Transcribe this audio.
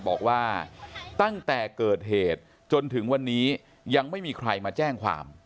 บอกว่าตั้งแต่เกิดเหตุจนถึงวันนี้ยังไม่มีใครมาแจ้งความ